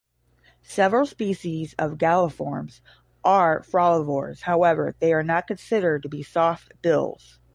Several species of Galliformes are frolivores, however they are not considered to be softbills.